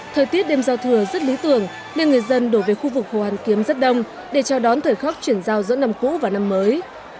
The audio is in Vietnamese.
thời tiết đêm giao thừa rất lý tưởng nên người dân đổ về khu vực hồ hoàn kiếm rất đông để trao đón thời khắc chuyển giao giữa năm cũ và năm mới